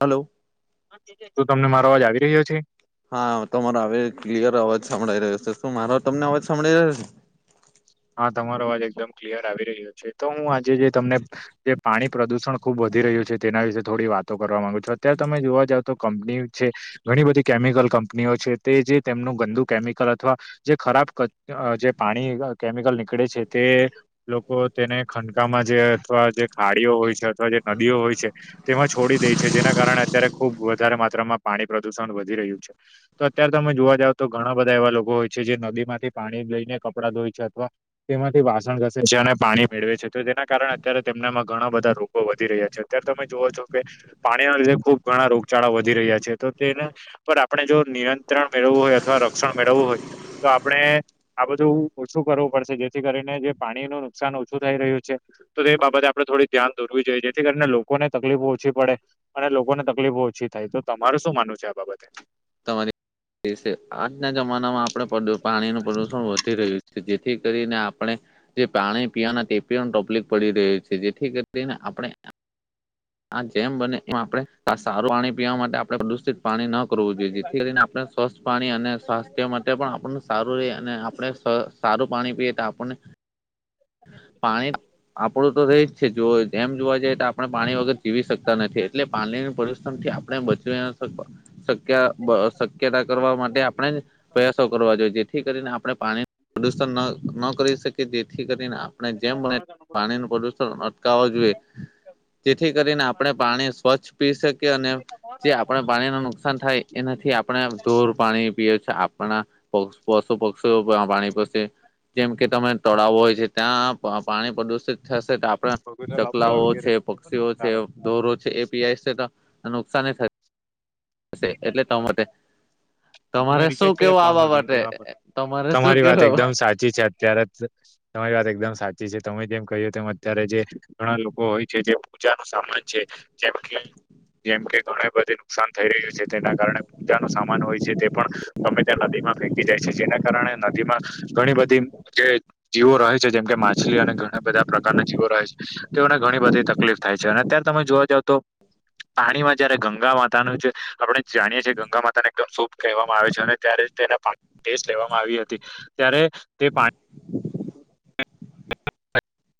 હાલો. શુ તમને મારો અવાજ આવી રહ્યો છે? હા તમારો હવે ક્લિયર અવાજ સાંભળાઈ રહ્યો છે, શું મારો તમને અવાજ સાંભળી રહ્યો છે? હા તમારો અવાજ એકદમ ક્લિયર આવી રહ્યો છે, તો હું આજે જે તમને જે પાણી પ્રદુષણ ખુબ વધી રહ્યું છે, તેના વિશે થોડી વાતો કરવા માંગુ છૂ અત્યારે તમે જોવા જાવ તો કંપની છે, ઘણી બધી કેમિકલ કંપનીઓ છે, તે જે તેમનું ગંદુ કેમિકલ અથવા જે ખરાબ ક જે પાણી અ કેમિકલ નીકળે છે, તે લોકો તેને ખંકામાં જે અથવા જે ખાડીઓ હોય છે, અથવા જે નદીઓ હોય છે. તેમાં છોડી દેય છે, જેના કારણે અત્યારે ખુબ વધારે માત્રામાં પાણી પ્રદુષણ વધી રહ્યું છે. તો અત્યારે તમે જોવા જાવ તો ઘણા બધા એવા લોકો હોય છે, જે નદી માંથી પાણી લઈને કપડાં ધોય છે. અથવા તેમાંથી વાસણ ઘસે છે, અને પાણી મેળવે છે, તો જેના કારણે અયારે તેમનામાં ઘણા બધા રોગો વધી રહ્યા છે, અત્યારે તમે જોવો છો કે પાણીના લીધે ખુબ ઘણા રોગચાળા વધી રહ્યા છે, તો તેને પર આપણે જો નિયંત્રણ મેળવવું હોય અથવા રક્ષણ મેળવવું હોય તો આપડે આ બધું ઓછું કરવું પડશે જેથી કરીને જે પાણી નુ નુકસાન ઓછું થઈ રહ્યું છે. તો તે બાબતે આપણે થોડી ધ્યાન દોરવી જોઈએ જેથી કરીને લોકોને તકલીફો ઓછી પડે અને લોકોને તકલીફો ઓછી થાય તો તમારું શું માનવું છે, આ બાબતે તમારે કે છે, આજના જમાનામાં પદુ આપણે પાણીનું પ્રદુષણ વધી રહ્યું છે, જેથી કરીને આપણે જે પાણી પીવાના ટેપી ટપલીપ પડી રહી છે, જેથી કરીને આપણે આ જેમ બને એમ આપણે આ સારું પાણી પીવા માટે આપણે પ્રદુષિત પાણી ન કરવું જેથી કરીને આપણે સ્વસ્થ પાણી અને સ્વાસ્થ્ય માટે પણ આપ સારું રે અને આપણે સારું પાણી પીએ તો આપણને પાણી આપડું તો રહી જ છે જો જેમ જોવા જઈએ તો આપણે પાણી વગર જીવી શકતા નથી. એટલે પાણીની પરિશ્રમથી આપણે બચવી ના શકે. શક્ય બ શક્યતા કરવા માટે આપણે જ પ્રયાસો કરવા જોઈએ જેથી કરીને આપણે પાણી પ્રદુષણ ન ન કરી શકીએ થી કરીને આપણે જેમ પાણી નુ પ્રદુષણ અટકાવવા જોઈએ જેથી કરીને આપણે પાણી સ્વચ્છ પી શકીએ અને જે આપણે પાણી ન નુકસાન થાય એનાથી આપણે ધોર પાણી પીએ છે, આપણા પ પશો પક્ષી પાણી પસે જેમ કે તમે તડાવો હોય છે ત્યાં પાણી પ્રદુષિત થશે ભગોતરા તો બાપુ ગેલો ચકલાઓ કે ઘેરે છે પક્ષીઓ છે સારો દોરો છે એ પીઈ છે તો નુકસાાન થાય. એટલે [unintelligible] મમ્મી મે તમારે શું રિચાર્જ કર્યા કેવું આ ત્રણ વર્ગ બાબતે પ વા તમારે શું તમારી વાત કેવું એકદમ સાચી છે. ત્યારે તમારી વાત એકદમ સાચી છે તમે જેમ કહ્યું તેમ અત્યારે જે ઘણા લોકો હોય છે જે. ઉચ સામાન છે જેમ કે જેમ કે ઘણા બધા. નુકસાન થઈ રહ્યું છે તેના કારણે પૂજા ન સામાન હોય છે તે પણ. ત્યાં નદીમાં ફેકી જાય છે જેના કારણે નદીમાં ઘણી બધી જે જીવો રહે. છે જેમ કે માછલી અને ઘણા બધા. પ્રકારના જીવો રહે છે તો એઓને ઘણી બધી તકલીફ થાય છે અને અત્યારે તમે જોવા જાવ તો. પાણીમાં જયારે ગંગા માતાનું છે. આપણે જાણીએ છીએ ગંગા માતા ને એકદમ શુભ કહેવામાં આવે છે અને ત્યારે તેના પા સ્ટ લેવામાં આવી હતી. ત્યારે તે પાણી.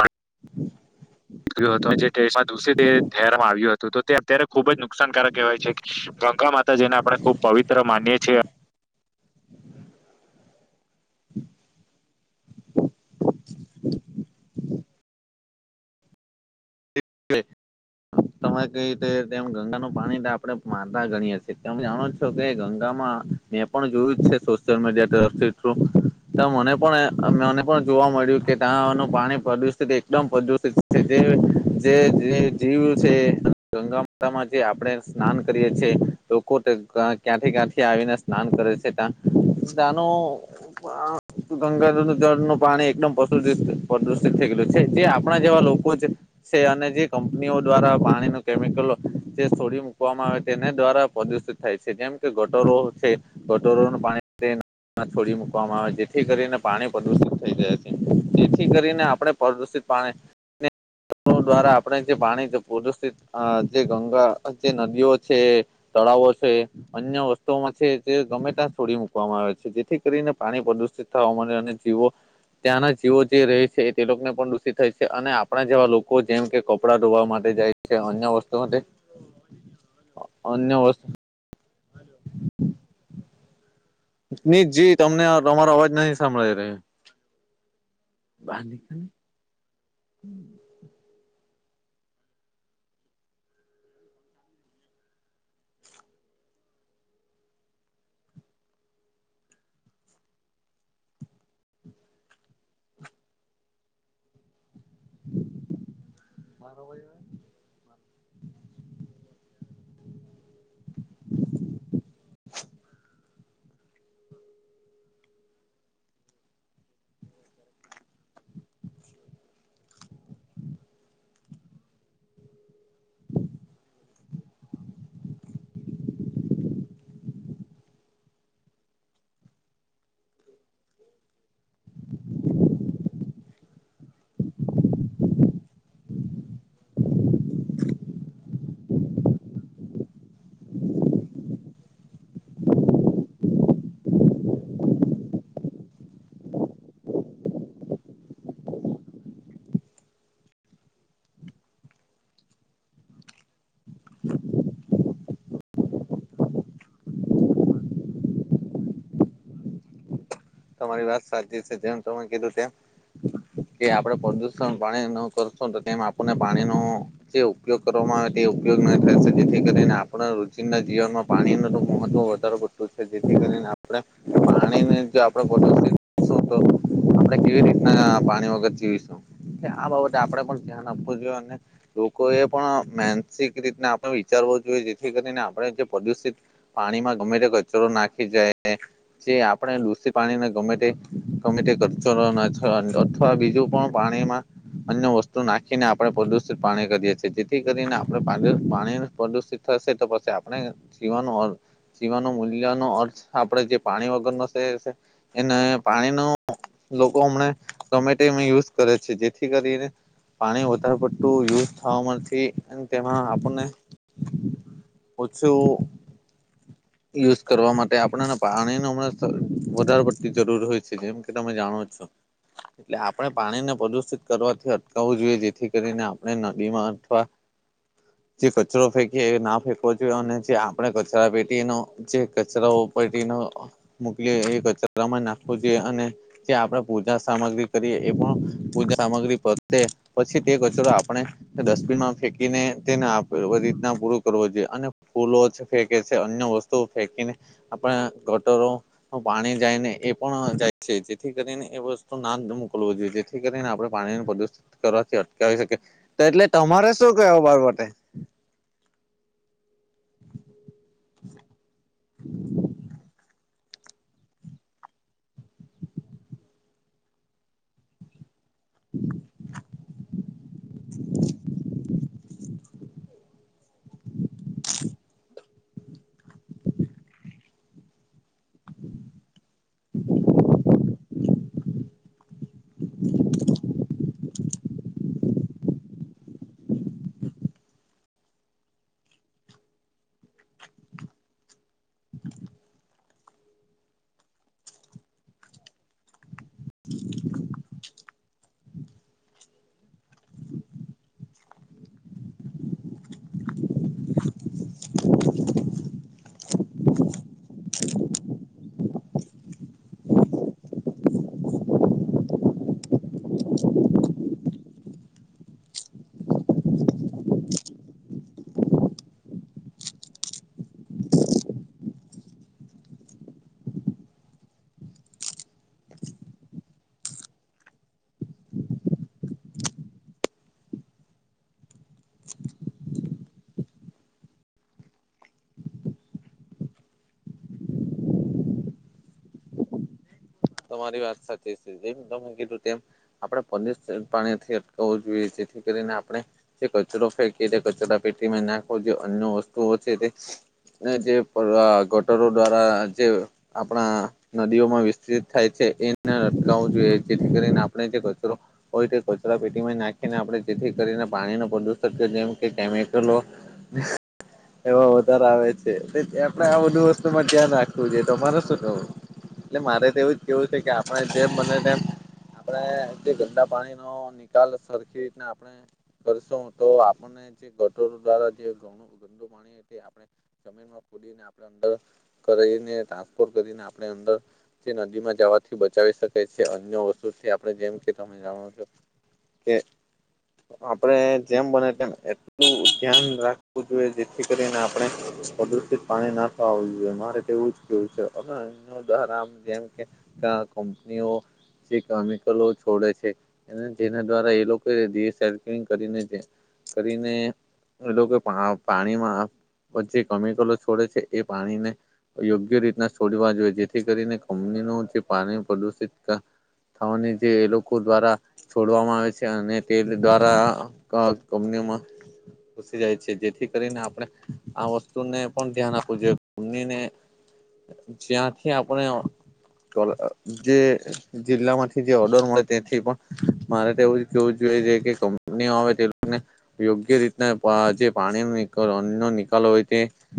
હા. જે દરાવામાં આવ્યું હતું તો તે અત્યારે ખુબ જ નુકસાનકારક કવાય છે. ગંગા માતા જેને આપડણે ખુબ પવિત્ર માનીએ છીએ. હ્. તમારે કઈ રીતે તેમ ગંગાનું પાણી આપણેે માતા ગણીએ છીએ તમે જાણો છો કે ગંગામાં. એ પણ જોયું જ છે સોશિયલ મીડિયા તરફથી થ્રુ. તો મને પણ મને પણ જોવા મળ્યું કે ત્યાં ન પાણી પ્રદુષિત એકદમ પ્રદુષિત. [unintelligible] જે જીવ છે ગંગા માતામાં જે આપણે સ્નાન કરીએ છ છેએ. લોકો ક્યાંથી ક્યાંથી આવીને સ્નાન કરે છે તનું. ગંગાધર જળ નું પાણી એકદમશુ પ્રદુષિત થઈ ગયલું છે જે. આપણા જેવા લોકો છે. છે અને જે કંપનીઓ દ્વારા પાણી ન કેમિકલો જે છોડી મુૂકવામાં આવે તેના દ્વારા પ્રદુષિત. થાય છે, જેમ કે ગટરો છે ગટોરોનું પાણી છોડી મકવામાં આવે, જેથી કરીને પાણી પ્રદુષિત થઈ જાય છે જેથી કરીને આપણે પ્રદૂષિત પાણી દ્વારા આપણે જે પાણી પ્રુદુષિત જે ગંગા, જે નદીઓ છે. તળાવો છે અન્ય વસ્તુઓમાં છે, તે ગમે ત છોડી મુૂકવામાં આવે છે. જેથી કરીને પાણી પ્રદુષિત થવા મળે અને જીવો ત્યાંના જીવો જે રહે છે તેને પણ દુષિત થાય છે, અને આપણા જેવા લોકો જેમ કે કપડાં ધોવા માટે જાય છે, અન્ય વસ્તુ માટે. અન્ય વસ્તુ ની જી તમને તમારો અવાજ નહી સાંભળાય રહ્યો. બાંધ હ મારોવા [inaudible] તમારી વાત સાચી છે, જેમ તમે કીધું તેમ [unintelligible] કે આપડે પ્રદુષણ પાણી ન કરશો તેમ આપણને પાણી ન જે ઉપયોગ કરવામાં આવે તે ઉપયોગ થશે જેથી કરીને આપણા રુચિના જીવનમાં પાણી ન તો મહત્વ ું છે જેથી કરીને આપણે પાણીને આપણે [unintelligible] કેવી રીતના પાણી વગર જીવીશું. આ બાબતે આપડે પણ ધ્યાન આપવું જોઈએ. અને લોકો એ પણ માનસિક રીતના આપણે વિચારવો જોઈએ. જેથી કરીને આપણે જે પ્રદુષિત પાણીમાં ગમે તે કચરો નાખી જાય. જે આપણે [unintelligible] પાણીને ગમે તે ગમે [unintelligible] અથવા બીજું પણ પાણીમાં અન્ય વસ્તુ નાખીને આપણે પ્રદુષિત પાણી કરીએ છીએ. જેથી કરીને આપણે પાણી પ્રદુષિત થશે તો પછી આપણે જીવનું સીવાનો મૂલ્ય નો અર્થ આપડે જે પાણી વગર નો એને પાણીનો લોકો હમણાં ટોમેટોમાં યુઝ કરે છે જેથી કરીને પાણી વધારે પતું યુઝ થવા અને તેમાં આપણને ઓછું યુઝ કરવા માટે આપણે પાણી ન હમણાં વધઢાર વતી જરૂર હોય છે જેમ કે તમે જાણો છો એટલે આપણે પાણીને પ્રદુષિત કરવાથી અટકાવવું જોઈએ જેથી કરીને આપણે નદીમાં અથવા [inaudible] જે કચરો ફેંકી એ ના ફેંકવો જોઈએ અને જે આપણે કચરા પેટી એનો જે કચરાઓ પને મકલી એ કચરામાં નાખવો જોઈએ અને જે આપણે પૂજા સામગ્રી કરીએ એ પણ પૂજા સામગ્રી પ્રે પછી તે કચરો આપણે ડસ્ટબિનમાં ફેંકીને તેને આપેધી રીતના પૂરું કરવો જોઈએ અને ફૂલો જ ફેંકે છે અન્ય વસ્તુ તો ફેંકીને આપણે ગટરો પાણી જાય ને એ પણ જાય છે જેથી કરીને એ વસ્તુ ના જ મોકલવો જોઈએ જેથી કરીને આપણે પાણીને પ્રદુષિત કરવાથી અટકાવી શકે તો એટલે તમારે શું કે બાારબતે [unintelligible] [unintelligible] [inaudible] તમારી વાત સાચી છે જેમ તને કીધું તેમ આપણે પંદર પાણીથી અટકાવવું જોઈએ જેથી કરીને આપણે જે કચરો ફેંકી કચરા પેટીમાં નાખો જે અન્ય વસ્તુઓ છે તે ને જે ગટરો દ્વારા જે આપણા નદીઓમાં વિ થાય છે એને અટકાવું જોઈએ જેથી કરીને આપણે જે કચરો હોય તે કચરા પેટીમાં નાખીને આપણે જેથી કરીને પાણી ન પ્રદુષ જેમ કે કેમિકલો નિશ એમાં વધારે આવે છે આપણે આ બધું વસ્તુમાં ધ્યાન રાખવું જોઈ તો તમારે શું કવું એટલે મારે તો એવું જ કેવું છે કે આપણે જેમ બને તેમ આપણે જે ગંદા પાણી નો નિકાલ સરખી રીને આપણે કરશો તો આપણને જે ગટરો દ્વારા જેું ગંદુ પાણી તે આપણે જમીન ખોડીને આપણે અંદર કરને ટ્રાન્સફોર કરીને આપણે અંદર નદીમાં જવાથી બચાવી શકેાય છે અન્ય વતુથી આપણે જેમ કે તમે જાણો છો કે [inaudible] આપણે જેમ બને તેમ એટલું ધ્યાન રાખવું જોઈએ જેથી કરીને આપણે અદિત પાણી નાથ આવવું જોઈએ મારે તેવું જ કેવું છે હ એાર આમ જેમ કે કંપનીઓ જે કેમિકલો છોડે છે જેના દ્વારા એ લોકોલ કરીને કરીને એ લોકો પાણીમાં જે કેમિકલો છોડે છે એ પાણીને યોગ્ય રીતના છોડવા જોઈએ જેથી કરીને કની ન જે પાણી પ્રદુષિત થવાની જે એ લોકો દ્વારા છોડવામાં આવે છે અને તે દ્વારા કંપનીમાં ઘુસી જાય છે જેથી કરીને આપણે આ વસ્તુને પણ ધ્યાન આપવું જોઈએનીને [inaudible] જ્યાંથી આપણે જે જિલ્લા માંથી જે ઓર્ડર મળે તે્યાંથી પણ મારે તેવું જોવું જોઈએ કે કંપનીઓ આવે તેને યોગ્ય રીતના જે પાણી અનો નિકાલ હોય તે